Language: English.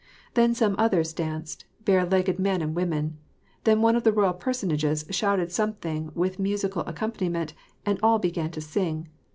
Then some others danced, — bare legged men and women; then one of the royal personages shouted something with musical ac companiment, and all began to sing.